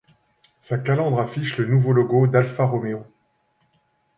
Sa calandre affiche le nouveau logo d'Alfa Romeo.